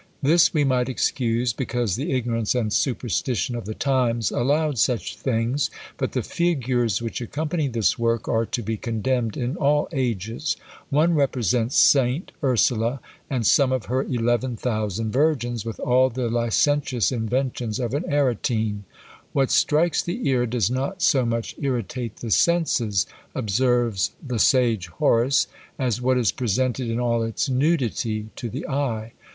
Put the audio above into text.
This we might excuse, because the ignorance and superstition of the times allowed such things: but the figures which accompany this work are to be condemned in all ages; one represents Saint Ursula and some of her eleven thousand virgins, with all the licentious inventions of an Aretine. What strikes the ear does not so much irritate the senses, observes the sage Horace, as what is presented in all its nudity to the eye.